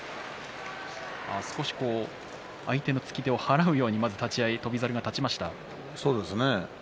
少し相手のつき手を払うように立ち合い、翔猿が立ちました。